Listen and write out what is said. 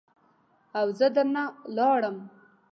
او زه در نه لاړم.